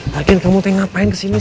lagi kamu ngapain kesini